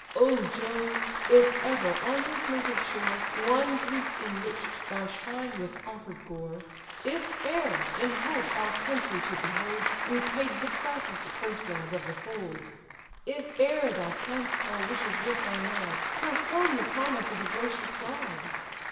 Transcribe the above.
"O Jove! if ever, on his native shore, One Greek enrich'd thy shrine with offer'd gore; If e'er, in hope our country to behold, We paid the fattest firstlings of the fold; If e'er thou sign'st our wishes with thy nod: Perform the promise of a gracious god!